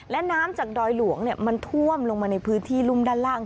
และน้ำจากดอยหลวงมันท่วมลงมาในพื้นที่รุ่มด้านล่าง